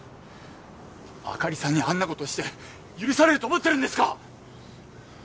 朱莉さんにあんな事して許されると思ってるんですか！？